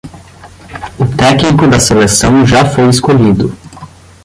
O técnico da seleção já foi escolhido